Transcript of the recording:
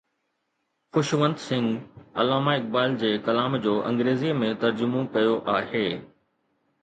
خشونت سنگهه علامه اقبال جي ڪلام جو انگريزيءَ ۾ ترجمو ڪيو آهي